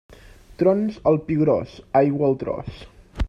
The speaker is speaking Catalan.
Trons al Pi Gros, aigua al tros.